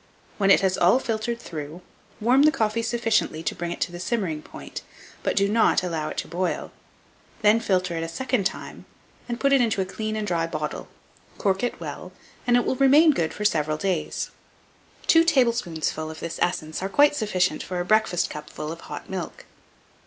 When it has all filtered through, warm the coffee sufficiently to bring it to the simmering point, but do not allow it to boil; then filter it a second time, put it into a clean and dry bottle, cork it well, and it will remain good for several days. Two tablespoonfuls of this essence are quite sufficient for a breakfast cupful of hot milk.